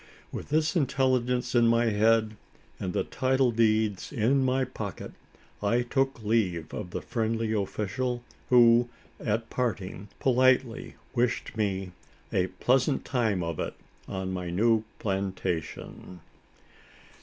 With this intelligence in my head, and the title deeds in my pocket, I took leave of the friendly official; who, at parting, politely wished me "a pleasant time of it on my new plantation!"